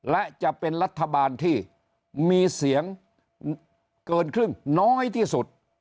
และจะเป็นรัฐบาลที่มีเสียงเกินครึ่งน้อยที่สุด